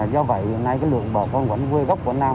do vậy hôm nay lượng bà con quảng nam